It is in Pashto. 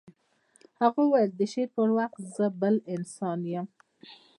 هغه وویل د شعر پر وخت زه بل انسان یم